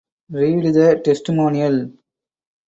Read the testimonial